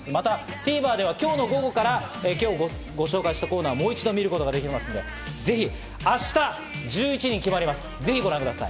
ＴＶｅｒでは本日の午後から放送したコーナーをもう一度見ることができますので、ぜひ明日、１１人決まるので、ぜひご覧ください。